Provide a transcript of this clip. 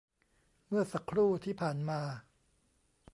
เมื่อสักครู่ที่ผ่านมา